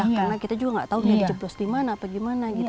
karena kita juga tidak tahu dia di jeplos di mana atau gimana gitu